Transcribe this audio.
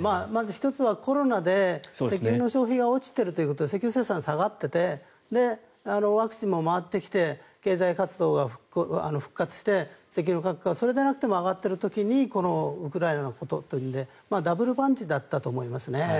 まず１つはコロナで石油の消費が落ちているということで石油生産が下がっていてワクチンも回ってきて経済活動が復活して石油の価格がそれでなくても上がっている時にウクライナのことということでダブルパンチだったと思います。